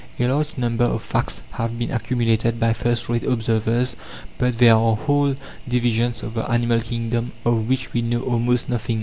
A large number of facts have been accumulated by first rate observers, but there are whole divisions of the animal kingdom of which we know almost nothing.